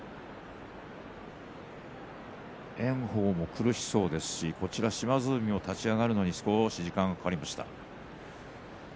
炎鵬も苦しそうですし島津海も立ち上がるのに時間がかかりました。